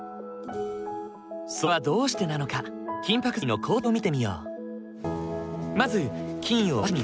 それはどうしてなのか金ぱく作りの工程を見てみよう。